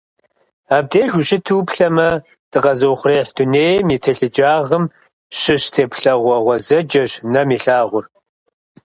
Абдеж ущыту уплъэмэ, дыкъэзыухъуреихь дунейм и телъыджагъым щыщ теплъэгъуэ гъуэзэджэщ нэм илъагъур.